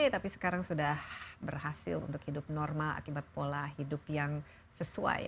tapi sekarang sudah berhasil untuk hidup normal akibat pola hidup yang sesuai